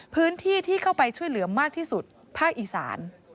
พื้นที่ที่เข้าไปช่วยเหลือมากที่สุดภาคอีสาน